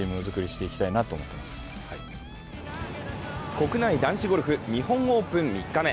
国内男子ゴルフ、日本オープン３日目。